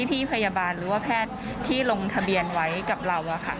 พี่พยาบาลหรือว่าแพทย์ที่ลงทะเบียนไว้กับเรา